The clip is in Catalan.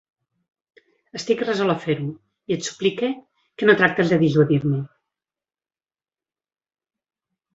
Estic resolt a fer-ho, i et suplique que no tractes de dissuadir-me.